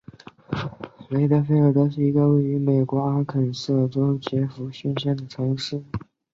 雷德菲尔德是一个位于美国阿肯色州杰佛逊县的城市。